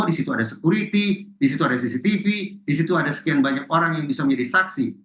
di situ ada security di situ ada cctv di situ ada sekian banyak orang yang bisa menjadi saksi